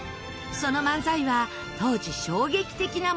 その漫才は当時衝撃的なものでした。